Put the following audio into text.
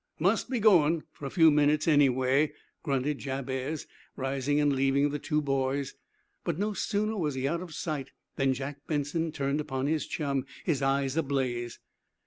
"Must be goin', for a few minutes, anyway," grunted Jabez, rising and leaving the two boys. But no sooner was he out of sight than Jack Benson turned upon his chum, his eyes ablaze.